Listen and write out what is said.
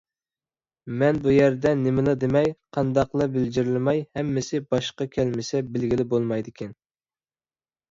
مەن بۇ يەردە نېمىلا دېمەي، قانداقلا بىلجىرلىماي، ھەممىسى باشقا كەلمىسە بىلگىلى بولمايدىكەن.